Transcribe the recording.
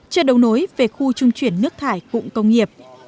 chưa đầu nối về khu trung chuyển nước thải cụng công nghiệp